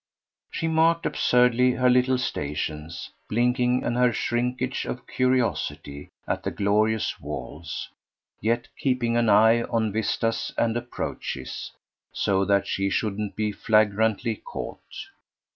She marked absurdly her little stations, blinking, in her shrinkage of curiosity, at the glorious walls, yet keeping an eye on vistas and approaches, so that she shouldn't be flagrantly caught.